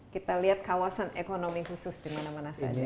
kita lihat kawasan ekonomi khusus dimana mana saja